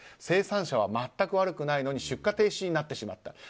生産者は全く悪くないのに出荷停止になってしまった。